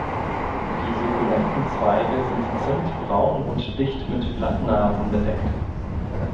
Die sukkulenten Zweige sind zimtbraun und dicht mit Blattnarben bedeckt.